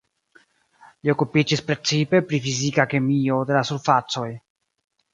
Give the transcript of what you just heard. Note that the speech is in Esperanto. Li okupiĝis precipe pri fizika kemio de la surfacoj.